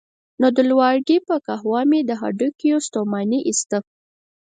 نو د لواړګي په قهوه به مې له هډوکیو ستوماني ایسته.